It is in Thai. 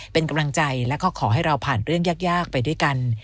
เป็นกำลังใจแล้วก็ขอให้เราผ่านเรื่องยากไปด้วยกัน